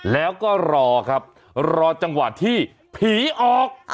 แล้วก็รอครับรอจังหวะที่ผีออก